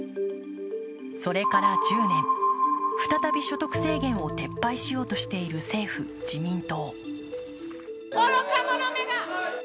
それから１０年、再び所得制限を撤廃しようとしている政府・自民党。